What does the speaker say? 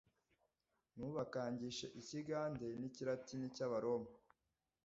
ntubakangishe ikigade n’ikiratini cy’abaroma